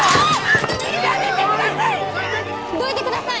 どいてください！